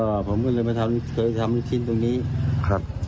ผมก็เลยมาทำเคยทำชิ้นตรงนี้ครับ